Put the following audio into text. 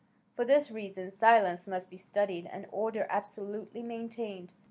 For this reason silence must be studied and order absolutely maintained.